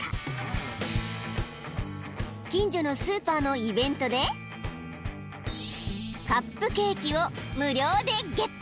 ［近所のスーパーのイベントでカップケーキを無料でゲット］